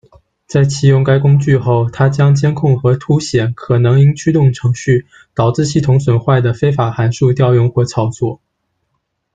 在启用该工具后，它将监控和凸显可能因驱动程序导致系统损坏的非法函数调用或操作。